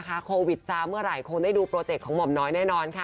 โควิดซ้าเมื่อไหร่คงได้ดูโปรเจกต์ของหม่อมน้อยแน่นอนค่ะ